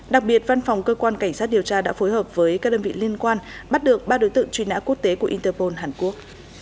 đặc biệt văn phòng cơ quan cảnh sát điều tra đã phối hợp với các đơn vị liên quan bắt được ba đối tượng truy nã quốc tế của interpol hàn quốc